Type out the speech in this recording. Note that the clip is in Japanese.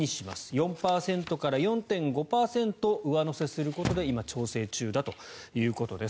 ４％から４．５％上乗せすることで今、調整中だということです。